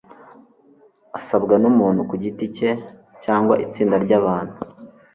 asabwa n'umuntu ku giti ke cyangwa itsinda ry'abantu